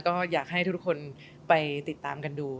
ก็อยากให้ทุกคนไปติดตามกันดู